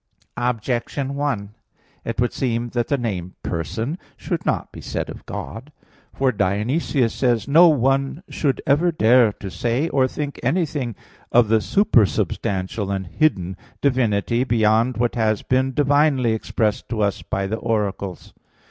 Objection 1: It would seem that the name "person" should not be said of God. For Dionysius says (Div. Nom.): "No one should ever dare to say or think anything of the supersubstantial and hidden Divinity, beyond what has been divinely expressed to us by the oracles."